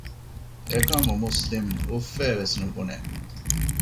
އެކަމަކު މުސްލިމް އުފްއޭވެސް ނުބުނެ